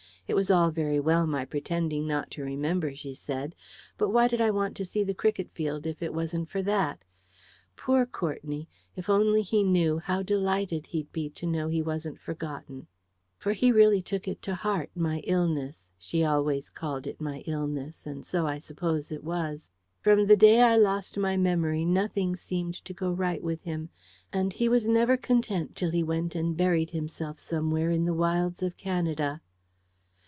It was all very well my pretending not to remember, she said; but why did I want to see the cricket field if it wasn't for that? Poor Courtenay! if only he knew, how delighted he'd be to know he wasn't forgotten! For he really took it to heart, my illness she always called it my illness, and so I suppose it was. From the day I lost my memory, nothing seemed to go right with him; and he was never content till he went and buried himself somewhere in the wilds of Canada.